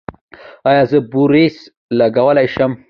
ایا زه برېس لګولی شم؟